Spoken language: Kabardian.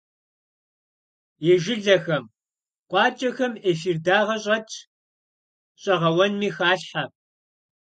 И жылэхэм, къуакӏэхэм эфир дагъэ щӏэтщ, щӏэгъэуэнми халъхьэ.